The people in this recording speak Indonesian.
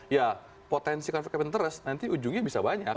ya potensi conflict of interest nanti ujungnya bisa banyak